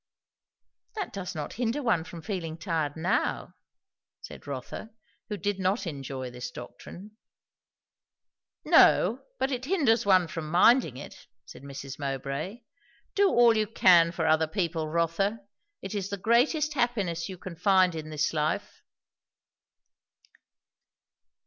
"That does not hinder one from feeling tired now," said Rotha, who did not enjoy this doctrine. "No, but it hinders one from minding it," said Mrs. Mowbray. "Do all you can for other people, Rotha; it is the greatest happiness you can find in this life."